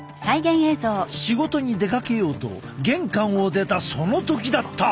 仕事に出かけようと玄関を出たその時だった。